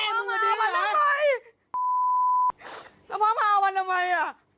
แล้วพ่อมาวันทำไมแล้วพ่อมาวันทำไม